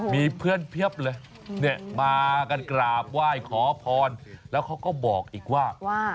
มีเพื่อนเพียบเลยเนี่ยมากันกราบไหว้ขอพรแล้วเขาก็บอกอีกว่า